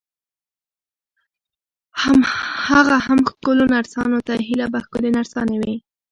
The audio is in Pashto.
هغه هم ښکلو نرسانو ته، هلته به ښکلې نرسانې وي.